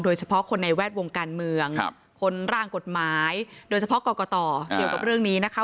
เฉพาะคนในแวดวงการเมืองคนร่างกฎหมายโดยเฉพาะกรกตเกี่ยวกับเรื่องนี้นะคะ